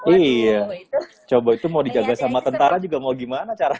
iya coba itu mau dijaga sama tentara juga mau gimana caranya